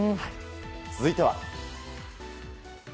続いては。